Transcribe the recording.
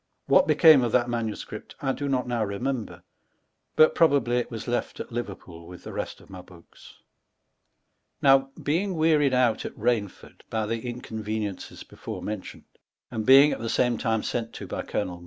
What became of that manuscript, 1 do not now remember, but probably It was 1^, at Leverpoole with the rest of my bookes. oom H SkCTION XII. Now being wearied out at Bainford by the inconveniences befoi mentioned, and being at the same time sent to by Col.